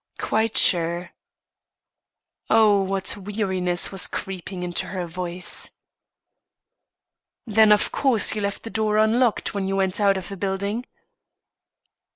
"Quite sure." Oh, what weariness was creeping into her voice! "Then, of course, you left the door unlocked when you went out of the building?"